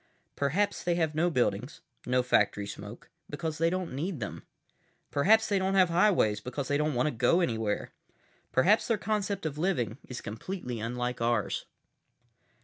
"Perhaps they have no buildings, no factory smoke, because they don't need them. Perhaps they don't have highways because they don't want to go anywhere. Perhaps their concept of living is completely unlike ours."